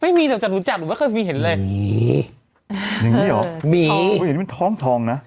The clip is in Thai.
ไม่มีเดี๋ยวจะรู้จักหรือว่าเคยมีเห็นเลยมีอย่างงี้เหรอมีมันทองทองน่ะ